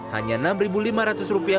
hanya rp enam lima ratus rupiah